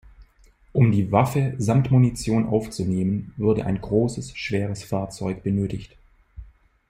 Um diese Waffe samt Munition aufzunehmen, wurde ein großes, schweres Fahrzeug benötigt.